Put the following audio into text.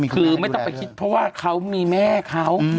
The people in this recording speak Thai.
คือไม่ต้องไปคิดเพราะว่าเขามีแม่เขา